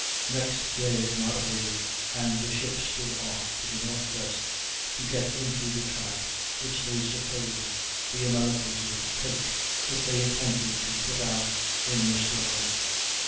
Next day it moderated, and the ships stood off to the northwest to get into the track which they supposed the Americans would take if they attempted to put out in the storm.